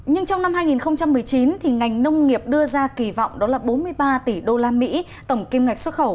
nhưng trong năm hai nghìn một mươi chín ngành nông nghiệp đưa ra kỳ vọng đó là bốn mươi ba tỷ usd tổng kim ngạch xuất khẩu